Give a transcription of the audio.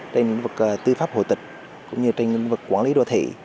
trên nguyên vực tư pháp hội tịch cũng như trên nguyên vực quản lý đô thị